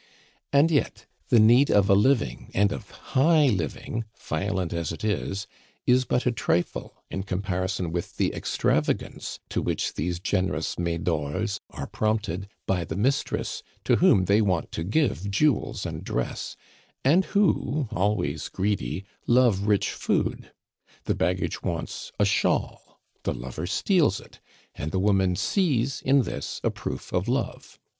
And yet, the need of a living, and of high living, violent as it is, is but a trifle in comparison with the extravagance to which these generous Medors are prompted by the mistress to whom they want to give jewels and dress, and who always greedy love rich food. The baggage wants a shawl, the lover steals it, and the woman sees in this a proof of love.